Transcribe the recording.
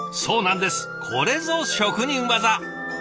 これぞ職人技！